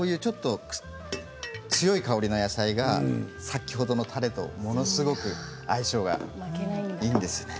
強い香りの野菜が先ほどのたれとものすごく相性がいいんですよね。